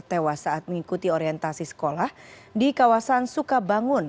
tewas saat mengikuti orientasi sekolah di kawasan sukabangun